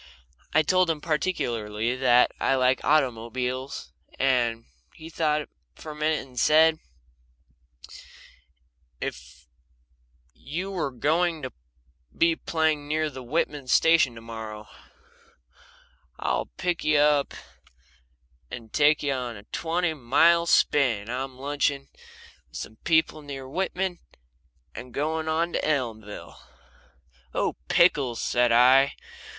I told him particularly that I like automobiles, and he thought a minute, and then said: "If you were going to be playing near the Whitman station to morrow I'd pick you up and take you on a twenty mile spin. I'm lunching with some people near Whitman, and going on to Elmville." "Oh, pickles!" said I.